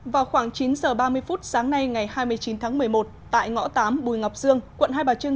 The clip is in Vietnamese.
vào khoảng chín giờ ba mươi phút sáng nay ngày hai mươi chín tháng một mươi một tại ngõ tám bùi ngọc dương quận hai bà trưng